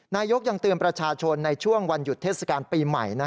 นายกยังเตือนประชาชนในช่วงวันหยุดเทศกาลปีใหม่